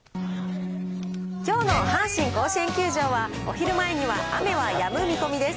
きょうの阪神甲子園球場は、お昼前には雨はやむ見込みです。